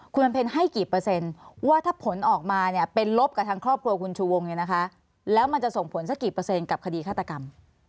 คุณบำเพ็ญให้กี่เปอร์เซ็นต์ว่าถ้าผลออกมาเนี่ยเป็นลบกับทางครอบครัวคุณชูวงเนี่ยนะคะแล้วมันจะส่งผลสักกี่เปอร์เซ็นต์กับคดีฆาตกรรม